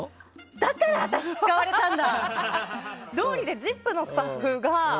だから、私が使われたんだ！